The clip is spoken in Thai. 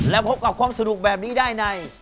แล้วพบกับความสนุกแบบนี้ได้ใน